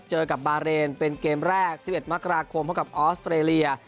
เจอกับบาเรนเป็นเกมแรก๑๑มกราคมพบกับออสเตรเลีย